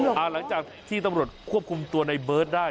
หลังจากที่ตำรวจควบคุมตัวในเบิร์ตได้